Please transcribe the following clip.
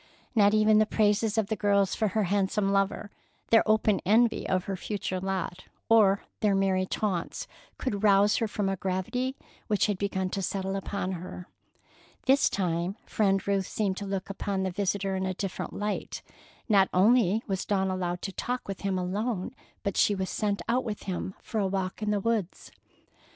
Not even the praises of the girls for her handsome lover, their open envy of her future lot, or their merry taunts, could rouse her from a gravity which had begun to settle upon her. This time Friend Ruth seemed to look upon the visitor in a different light. Not only was Dawn allowed to talk with him alone, but she was sent out with him for a walk in the woods.